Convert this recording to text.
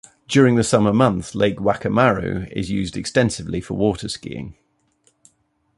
During the summer months Lake Whakamaru is used extensively for water skiing.